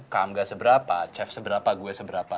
come gak seberapa chef seberapa gue seberapa